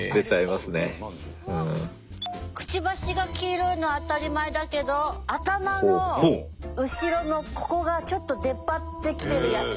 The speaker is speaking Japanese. クチバシが黄色いのは当たり前だけど頭の後ろのここがちょっと出っ張ってきてるやつ。